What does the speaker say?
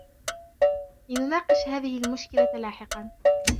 لنناقش هذه المشكلة لاحقاً.